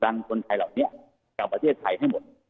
ทางคนไทยเหล่านี้แก่ประเทศไทยให้หมด